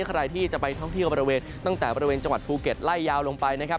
ใครที่จะไปท่องเที่ยวบริเวณตั้งแต่บริเวณจังหวัดภูเก็ตไล่ยาวลงไปนะครับ